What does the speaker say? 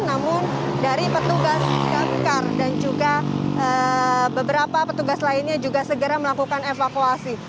namun dari petugas damkar dan juga beberapa petugas lainnya juga segera melakukan evakuasi